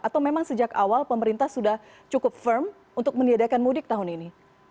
atau memang sejak awal pemerintah sudah cukup firm untuk meniadakan mudik tahun ini